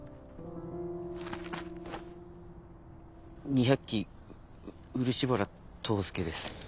２００期う漆原透介です。